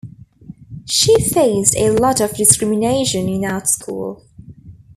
She faced a lot of discrimination in art school.